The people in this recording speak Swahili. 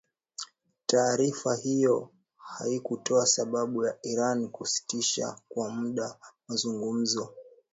Taarifa hiyo haikutoa sababu ya Iran kusitisha kwa muda mazungumzo